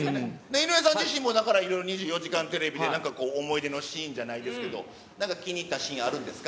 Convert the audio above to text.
井上さん自身も、だからいろいろ２４時間テレビで、なんかこう思い出のシーンじゃないですけど、なんか気に入ったシーンあるんですか。